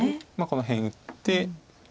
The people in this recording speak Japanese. この辺打って。